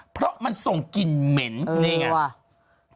เพราะมันส่งกลิ่นเหม็นนี่ไงว่ะ